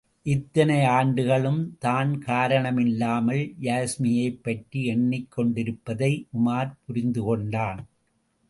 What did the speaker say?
இத்தனையாண்டுகளும் தான் காரண மில்லாமல் யாஸ்மியைப் பற்றி எண்ணிக்கொண்டிருப்பதை உமார் புரிந்து கொண்டான்.